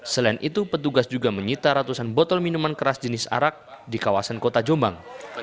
selain itu petugas juga menyita ratusan botol minuman keras jenis arak di kawasan kota jombang